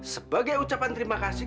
sebagai ucapan terima kasih